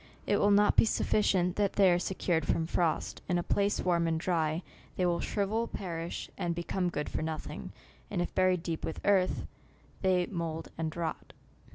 It will not be sufficient that they are secured from frost ; in a place warm and dry, they will shrivel, perish, and become good for nothing, and if buried deep with earth, they mould and rot.